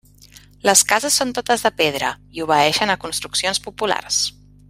Les cases són totes de pedra i obeeixen a construccions populars.